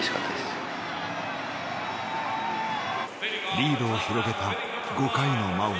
リードを広げた５回のマウンド。